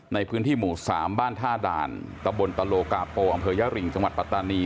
ในพื้นที่หมู่๓บ้านท่าด่านตะบนตะโลกาโปอำเภอยริงจังหวัดปัตตานี